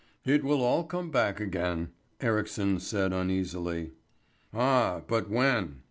"It will all come back again," Ericsson said uneasily. "Ah, but when?